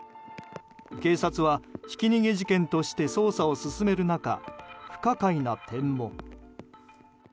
警察はひき逃げ事件として捜査を進める中不可解な点も。